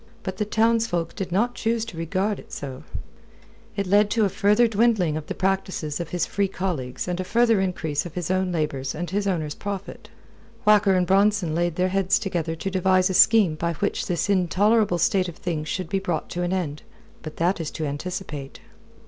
But the townsfolk did not choose so to regard it. It led to a further dwindling of the practices of his free colleagues and a further increase of his own labours and his owner's profit. Whacker and Bronson laid their heads together to devise a scheme by which this intolerable state of things should be brought to an end. But that is to anticipate.